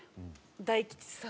大吉さん。